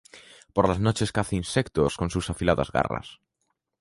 Por las noches caza insectos con sus afiladas garras.